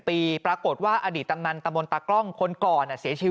ปี๖๕วันเกิดปี๖๔ไปร่วมงานเช่นเดียวกัน